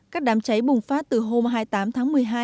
các đám cháy bùng phát từ hôm hai mươi tám tháng một mươi hai